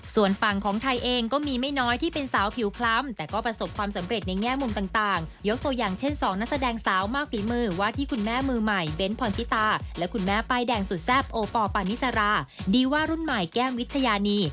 ส่วนฝั่งของไทยเองก็มีไม่น้อยที่เป็นสาวผิวคล้ำแต่ก็ประสบความสำเร็จในแง่มุมต่างยกตัวอย่างเช่นสองนักแสดงสาวมากฝีมือว่าที่คุณแม่มือใหม่เบ้นพรทิตาและคุณแม่ป้ายแดงสุดแซ่บโอปอลปานิสราดีว่ารุ่นใหม่แก้มวิชญานี